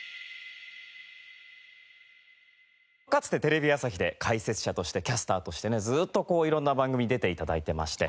かつてテレビ朝日で解説者としてキャスターとしてねずっとこういろんな番組出て頂いてまして。